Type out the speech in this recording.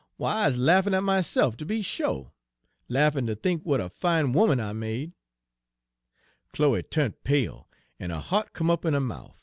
W'y, I's laffin' at myse'f, tooby sho', laffin' ter think w'at a fine 'oman I made.' "Chloe tu'nt pale, en her hea't come up in her mouf.